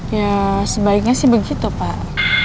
ya sebaiknya sih begitu pak